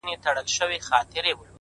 د ژوبل ارمانونو د ژوندون بې وسي دا ده